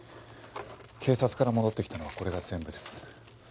警察から戻ってきたのはこれが全部です。